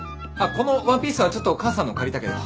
このワンピースはちょっと母さんのを借りたけど。